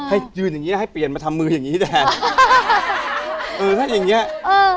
ให้ยืนอย่างงี้แล้วให้เปลี่ยนมาทำมืออย่างงี้แทนเออถ้าอย่างเงี้ยเออ